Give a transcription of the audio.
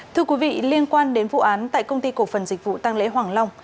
thưa quý vị liên quan đến vụ án tại công ty cổ phần dịch vụ tăng lễ hoàng long